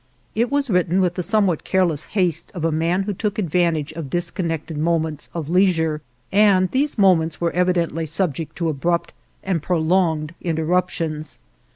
It was written with the somewhat careless haste of a man who took advantage of disconnected moments of leisure, and these moments were evidently subject to abrupt and prolonged interruptions.